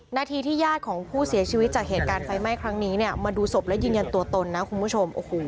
นาทีที่ญาติของผู้เสียชีวิตจากเหตุการณ์ไฟไหม้ครั้งนี้เนี่ยมาดูศพและยืนยันตัวตนนะคุณผู้ชมโอ้โห